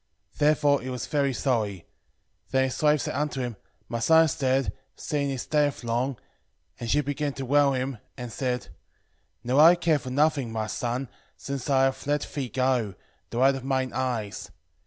10:3 Therefore he was very sorry. 10:4 Then his wife said unto him, My son is dead, seeing he stayeth long; and she began to bewail him, and said, 10:5 Now I care for nothing, my son, since I have let thee go, the light of mine eyes.